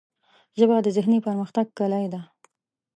ژبه د ذهني پرمختګ کلۍ ده